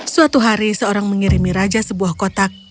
suatu hari seorang mengirimi raja sebuah kotak